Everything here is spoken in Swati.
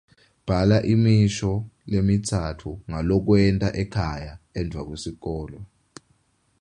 Bhala imisho lemitsatfu ngalokwenta ekhaya emva kwesikolo.